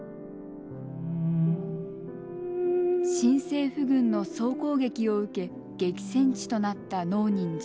新政府軍の総攻撃を受け激戦地となった能仁寺。